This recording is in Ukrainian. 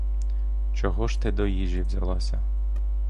Чого ж ти до їжі взялася?